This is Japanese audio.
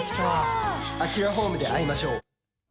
アキュラホームで会いましょう。